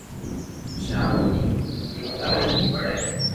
ݾاھ ابدول لتيف ڪوليج مون پڙي